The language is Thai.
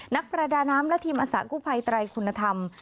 นักประดาน้ำและทีมอาสากู้ภัยไตรคุณธรรม